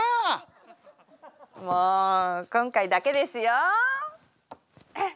もう今回だけですよ？